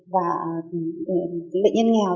và tạo cái cơ hội cho những bệnh nhân nghèo